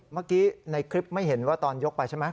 เมื่อกี้ในคลิปไม่เห็นว่าตอนยกไปใช่ไหม